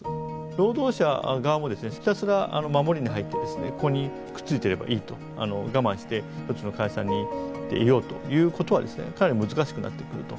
労働者側もひたすら守りに入ってここにくっついていればいいと我慢して一つの会社にいようということはかなり難しくなってくると。